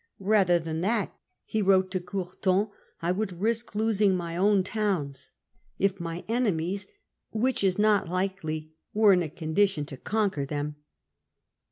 'Rather than that,' he wrote to Courtin, ' I would risk losing my own towns, if my enemies, which is not likely, were in a condition to conquer them.